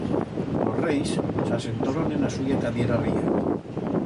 Los reis s'asentoron en a suya cadiera reyal.